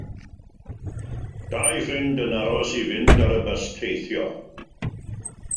Dau ffrind yn aros i fynd i ar y bws teithio.